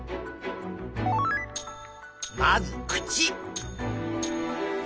まず口。